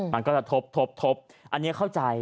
มันก็จะทบอันนี้เข้าใจ